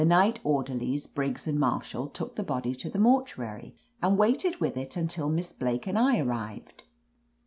night orderlies, Briggs and Marshall, took the body to the mortuary and waited with it until Miss Blake and I arrived.'